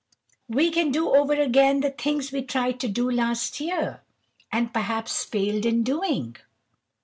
We can do over again the things that we tried to do last year, and perhaps failed in doing.